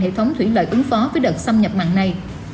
hệ thống thủy lợi ứng phó với đợt xâm nhập mặn này